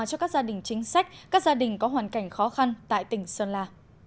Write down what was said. cho các gia đình chính sách các gia đình có hoàn cảnh khó khăn tại tỉnh sơn la